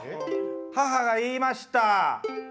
母が言いました。